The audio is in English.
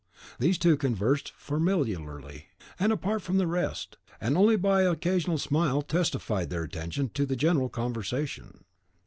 These two conversed familiarly, and apart from the rest, and only by an occasional smile testified their attention to the general conversation.